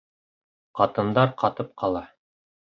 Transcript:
Ҡатындар ҡатып ҡала.